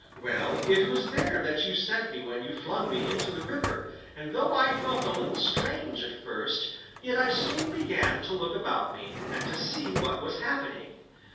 Well, it was there that you sent me when you flung me into the river, and though I felt a little strange at first, yet I soon began to look about me, and to see what was happening.